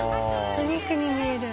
お肉に見える。